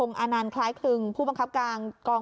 แล้วเขาก็มายืนดูกันที่ริมฟอง